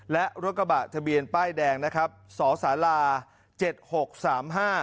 และรถกระบะทะเบียนป้ายแดงนะครับสอสาลาเจ็ดหกสามห้า